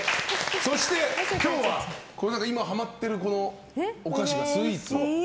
そして、今日は今ハマっているお菓子、スイーツを？